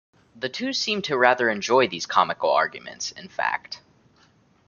The two seem to rather enjoy these comical arguments, in fact.